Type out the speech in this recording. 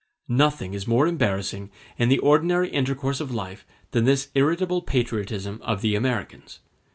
Nothing is more embarrassing in the ordinary intercourse of life than this irritable patriotism of the Americans.